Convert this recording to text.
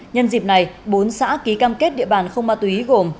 nhân dịp này bốn xã ký cam kết địa bàn không ma túy gồm